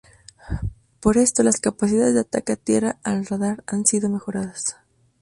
Por esto las capacidades de ataque a tierra del radar han sido mejoradas.